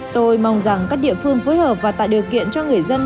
tôi mong rằng các địa phương phối hợp và tạo điều kiện cho người dân